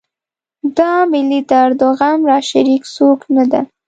په دا ملي درد و غم راشریک څوک نه ده.